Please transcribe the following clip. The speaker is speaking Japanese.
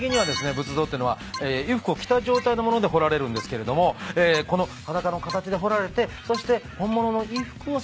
仏像ってのは衣服を着た状態のもので彫られるんですけれどもこの裸の形で彫られてそして本物の衣服をそこに着せられる。